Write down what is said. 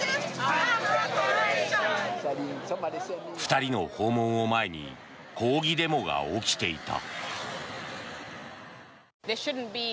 ２人の訪問を前に抗議デモが起きていた。